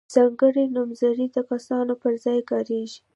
ځانګړي نومځري د کسانو پر ځای کاریږي.